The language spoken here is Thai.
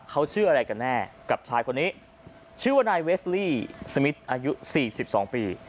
เขาชื่ออะไรกันแน่กับชายคนนี้ชื่อว่านายเวสลี่สมิทอายุ๔๒ปี